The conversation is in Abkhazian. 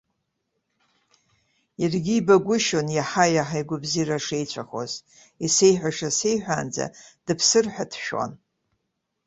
Иаргьы ибагәышьон иаҳа-иаҳа игәабзиара шеицәахоз, исеиҳәаша сеиҳәаанӡа дыԥсыр ҳәа дшәон.